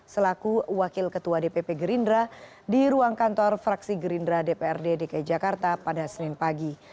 selaku wakil ketua dpp gerindra di ruang kantor fraksi gerindra dprd dki jakarta pada senin pagi